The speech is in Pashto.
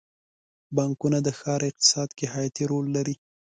بانکونه د ښار اقتصاد کې حیاتي رول لري.